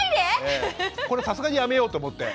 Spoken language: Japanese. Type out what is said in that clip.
これさすがにやめようと思って。